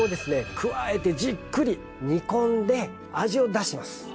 加えてじっくり煮込んで味を出してます。